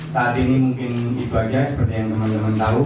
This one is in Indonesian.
saat ini mungkin ibadah seperti yang teman teman tahu